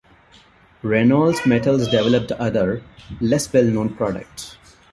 Reynolds Metals developed other, less well-known products.